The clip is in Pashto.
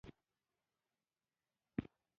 ایا ستاسو اراده به نه ماتیږي؟